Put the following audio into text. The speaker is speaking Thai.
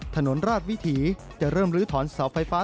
ถนนราชวิถีจะเริ่มลื้อถอนเสาไฟฟ้า